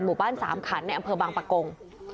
หมู่บ้านสามขันในอำเภอบางปะโกง